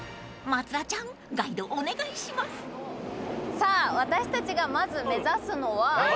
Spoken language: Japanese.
さあ私たちがまず目指すのは。